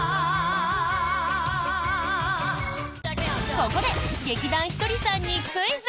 ここで劇団ひとりさんにクイズ！